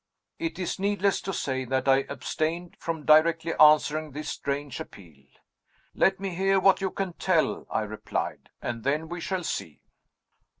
"It is needless to say that I abstained from directly answering this strange appeal. 'Let me hear what you can tell,' I replied, 'and then we shall see.